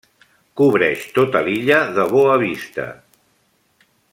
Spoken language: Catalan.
Cobreix tota l'illa de Boa Vista.